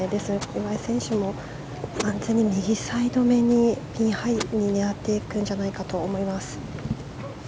岩井選手も完全に右サイド目にピンハイに狙っていくんじゃないかと思います。